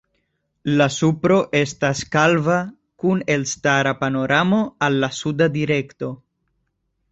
La supro estas kalva kun elstara panoramo al la suda direkto.